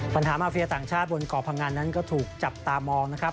ปัญหามาเฟียต่างชาติบนเกาะพังอันนั้นก็ถูกจับตามองนะครับ